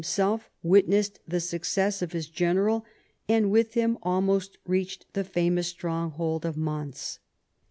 himself witnessed the success of his general, and with him almost reached the famous stronghold of Mons.